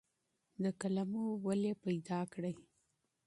د کلمو ريښې پيدا کړئ.